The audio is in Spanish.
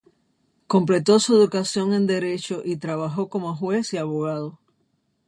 Completó su educación en Derecho y trabajó como juez y abogado.